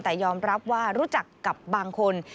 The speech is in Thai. แต่ยอมรับว่ารู้จักกับบางคน